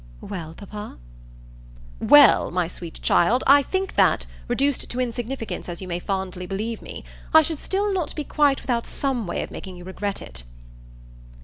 "Well, papa?" "Well, my sweet child, I think that reduced to insignificance as you may fondly believe me I should still not be quite without some way of making you regret it."